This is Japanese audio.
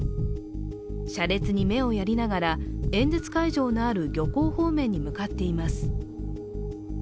車列に目をやりながら演説会場のある漁港方面に向かっています。